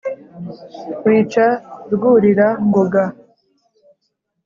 wica rwurira-ngoga.